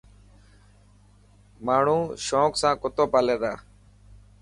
ماڻو شونق سان ڪتو پالي تا.